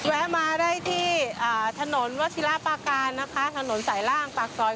แวะมาได้ที่ถนนวศิลาปาการนะคะถนนสายล่างปากซอย